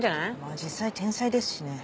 実際天才ですしね。